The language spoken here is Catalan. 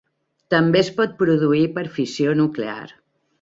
També es pot produir per fissió nuclear.